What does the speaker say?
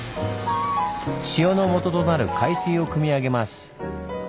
塩のもととなる海水をくみ上げます。